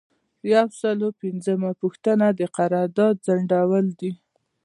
یو سل او پنځمه پوښتنه د قرارداد ځنډول دي.